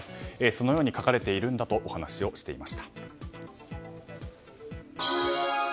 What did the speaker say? そのように書かれているんだとお話をしていました。